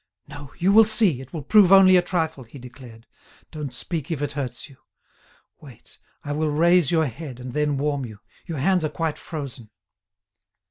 "No, you will see, it will prove only a trifle," he declared. "Don't speak if it hurts you. Wait, I will raise your head and then warm you; your hands are quite frozen."